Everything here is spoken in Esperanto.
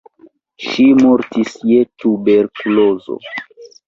Ŝi mortis je tuberkulozo.